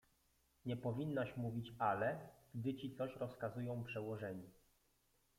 — Nie powinnaś mówić „ale”, gdy ci coś rozkazują przełożeni.